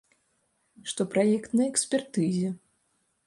Што праект на экспертызе.